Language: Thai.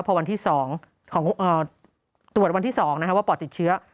พอวันที่๒ของตรวจวันที่๒ว่าปอดติดเชื้อ